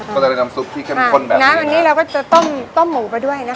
ก็เลยได้น้ำซุปที่เข้มข้นแบบนี้นะอันนี้เราก็จะต้มต้มหมูไปด้วยนะคะ